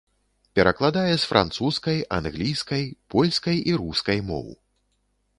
Перакладае з французскай, англійскай, польскай і рускай моў.